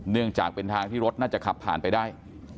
เนื่องจากเป็นทางที่รถน่าจะขับผ่านไปได้